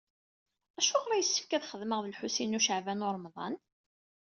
Acuɣer i yessefk ad xedmeɣ d Lḥusin n Caɛban u Ṛemḍan?